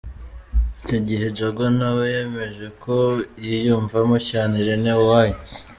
Icyo gihe Jaguar na we yemeje ko yiyumvamo cyane Irene Uwoya.